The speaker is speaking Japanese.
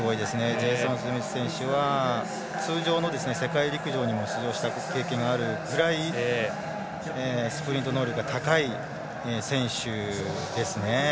ジェイソン・スミス選手は通常の世界陸上にも出場した経験があるぐらいスプリント能力が高い選手ですね。